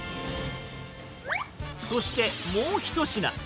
そして、もう一品。